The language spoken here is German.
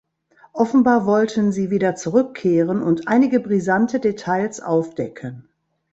Offenbar wollten sie wieder zurückkehren und einige brisante Details aufdecken.